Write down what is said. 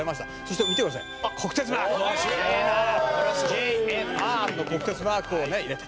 「ＪＮＲの国鉄マークをね入れて」